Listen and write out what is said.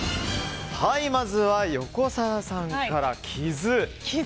まずは横澤さんから傷。